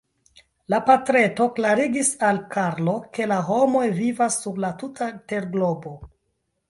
La patreto klarigis al Karlo, ke la homoj vivas sur la tuta terglobo.